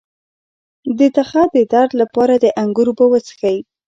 د تخه د درد لپاره د انګور اوبه وڅښئ